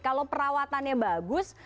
kalau perawatannya bagus